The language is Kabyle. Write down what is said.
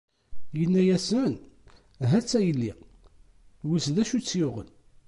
Yenna-asen: "Ha-tt-a yelli wiss d acu i tt-yuɣen."